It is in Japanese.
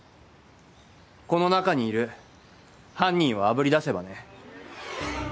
この中にいる犯人をあぶり出せばね。